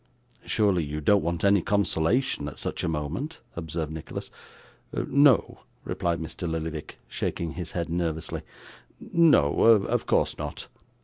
'Surely you don't want any consolation at such a moment?' observed Nicholas. 'No,' replied Mr. Lillyvick, shaking his head nervously: 'no of course not.